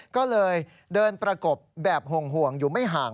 ก็เลยเดินประกบแบบห่วงอยู่ไม่ห่าง